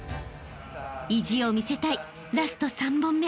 ［意地を見せたいラスト３本目］